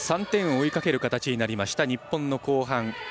３点を追いかける形になりました、日本の後半。